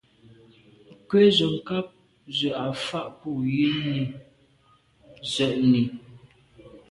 Nkwé ze nkàb zə̄ à fâ’ bû zə̀’nì.